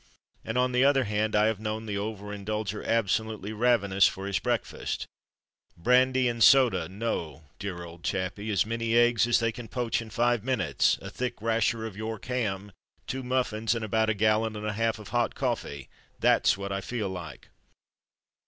And on the other hand, I have known the over indulger absolutely ravenous for his breakfast. "Brandy and soda, no, dear old chappie; as many eggs as they can poach in five minutes, a thick rasher of York ham, two muffins, and about a gallon and a half of hot coffee that's what I feel like."